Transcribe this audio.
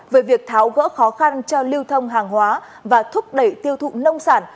về việc tháo gỡ khó khăn cho lưu thông hàng hóa và thúc đẩy tiêu thụ nông sản